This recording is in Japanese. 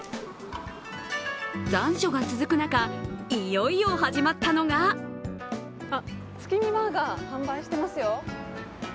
残暑が続く中、いよいよ始まったのが月見バーガー、販売してますよ。